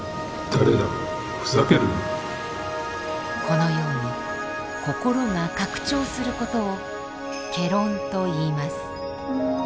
このように心が拡張することを戯論といいます。